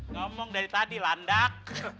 ngomong dari tadi landak